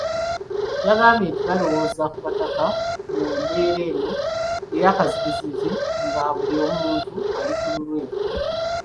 Yagambye nti balowoozezza ku Bataka mu mbeera eno eyakazigizigi nga buli muntu ali ku lulwe.